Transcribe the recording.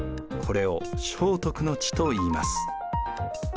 これを正徳の治といいます。